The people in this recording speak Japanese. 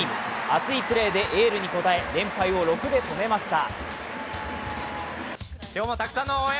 熱いプレーでエールに応え連敗を６で止めました。